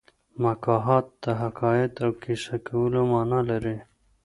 محاکات د حکایت او کیسه کولو مانا لري